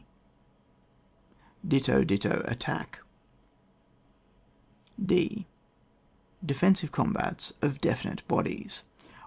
C. — Ditto, Ditto, Attack. D.— Defensive Combats of Definite Bodies.